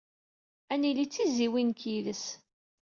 Ad nili d tizzyiwin nekk yid-s.